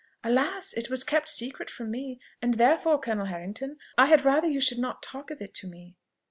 "Alas! it was kept secret from me; and therefore, Colonel Harrington, I had rather you should not talk of it to me."